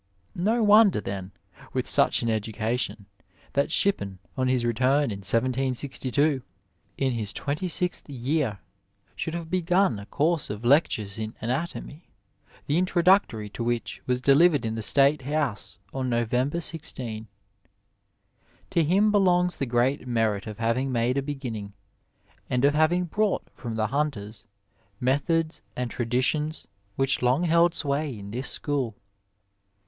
No wonder, then, with such an education, that Shippen, on his return in 1762, in his twenty sixth year, should have begun a course of lectures in anatomy, the introductory to which was delivered in the State House on November 16. To him belongs the great merit of having made a beginning, and of having brought from the Hunters methods and traditions which long held sway in this school.